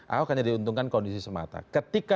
ahok hanya diuntungkan kondisi semata ketika